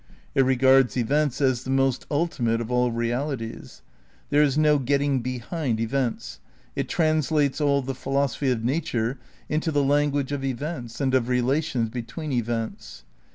It regards events as the most ultimate of all realities. There is no getting behind events. It trans lates all the philosophy of nature into the language of events and of relations between events.